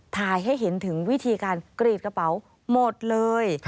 ถ่ายให้เห็นถึงวิธีการกรีดกระเป๋าหมดเลย